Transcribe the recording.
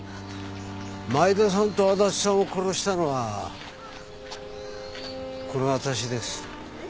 前田さんと足立さんを殺したのはこの私です。